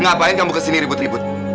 ngapain kamu kesini ribut ribut